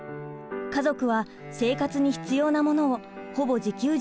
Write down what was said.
家族は生活に必要なものをほぼ自給自足しました。